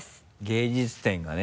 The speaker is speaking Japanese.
芸術点がね